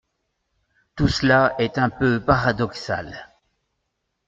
Tout cela est un peu paradoxal.